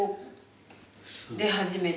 で始めて。